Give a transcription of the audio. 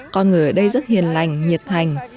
con người ở đây rất hiền lành nhiệt hành